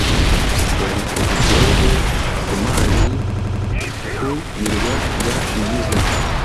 bari ku buryohe ku mazi ku Birwa bya Ibiza